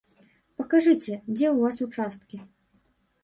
Пакажыце, дзе ў вас участкі.